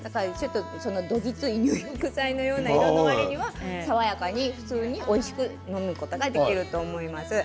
どぎつい入浴剤の色のわりには爽やかに普通においしく飲むことができると思います。